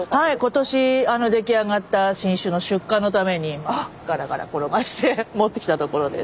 今年出来上がった新酒の出荷のためにガラガラ転がして持ってきたところです。